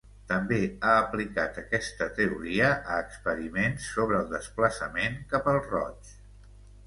També ha aplicat aquesta teoria a experiments sobre el desplaçament cap al roig.